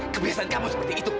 kebiasaan kamu seperti itu